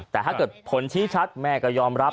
แต่ถ้าเกิดผลชี้ชัดแม่ก็ยอมรับ